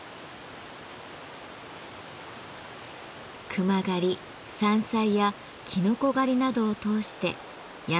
熊狩り山菜やきのこ狩りなどを通して山を知り尽くしたマタギ。